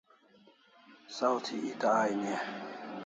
Saw thi eta aini e?